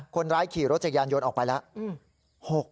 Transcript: คนร้ายขี่รถจักรยานยนต์ออกไปแล้ว